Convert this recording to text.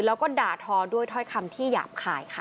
แล้วก็ด่าทอด้วยถ้อยคำที่หยาบคายค่ะ